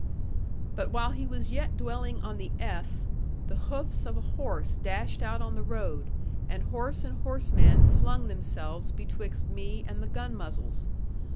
But while he was yet dwelling on the 'F,' the hoofs of a horse dashed out on the road, and horse and horseman flung themselves betwixt me and the gun muzzles.